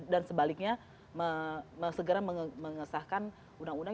dan sebaliknya segera mengesahkan undang undang